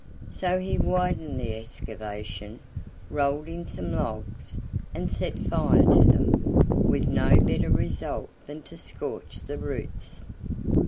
So he widened the excavation, rolled in some logs, and set fire to them with no better result than to scorch the roots.